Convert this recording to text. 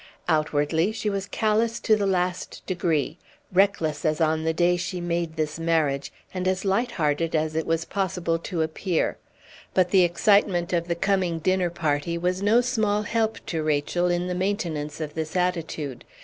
Outwardly she was callous to the last degree, reckless as on the day she made this marriage, and as light hearted as it was possible to appear; but the excitement of the coming dinner party was no small help to Rachel in the maintenance of this attitude.